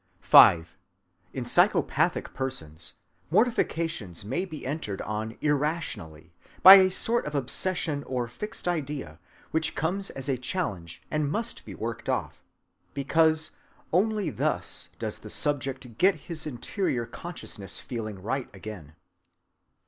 5. In psychopathic persons, mortifications may be entered on irrationally, by a sort of obsession or fixed idea which comes as a challenge and must be worked off, because only thus does the subject get his interior consciousness feeling right again.